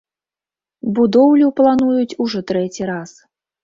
Будоўлю плануюць ужо трэці раз.